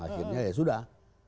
akhirnya ya sudah